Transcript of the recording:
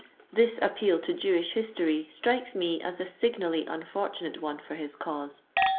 This appeal to Jewish history strikes me as a signally un fortunate one for his cause.